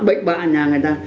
bệnh bạ nhà người ta